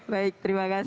baik terima kasih